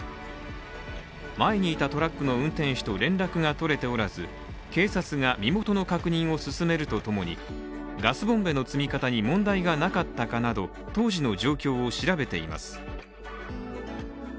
前にいたトラックの運転手と連絡が取れておらず、警察が身元の確認を進めるとともにガスボンベの積み方に問題がなかったかなど当時の状況を調べています。